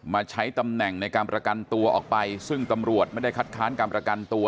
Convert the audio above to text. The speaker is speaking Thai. มาใช้ตำแหน่งในการประกันตัวออกไปซึ่งตำรวจไม่ได้คัดค้านการประกันตัว